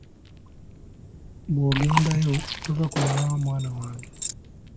Bw’ogendayo, tova ku mulamwa mwana wange.